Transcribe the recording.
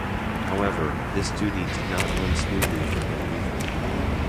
However, this duty did not run smoothly for him either.